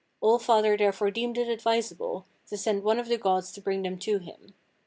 All father therefore deemed it advisable to send one of the gods to bring them to him.